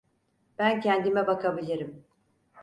Ben kendime bakabilirim.